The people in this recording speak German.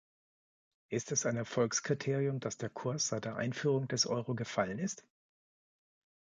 Ist es ein Erfolgskriterium, dass der Kurs seit der Einführung des Euro gefallen ist?